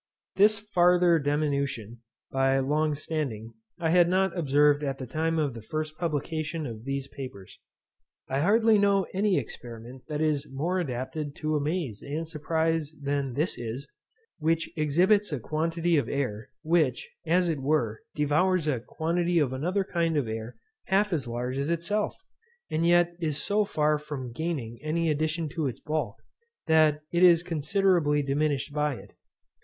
This farther diminution, by long standing, I had not observed at the time of the first publication of these papers. I hardly know any experiment that is more adapted to amaze and surprize than this is, which exhibits a quantity of air, which, as it were, devours a quantity of another kind of air half as large as itself, and yet is so far from gaining any addition to its bulk, that it is considerably diminished by it.